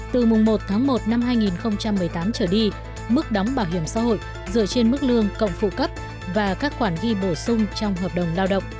từ mùng một tháng một năm hai nghìn một mươi tám trở đi mức đóng bảo hiểm xã hội dựa trên mức lương cộng phụ cấp và các khoản ghi bổ sung trong hợp đồng lao động